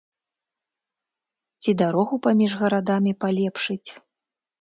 Ці дарогу паміж гарадамі палепшыць.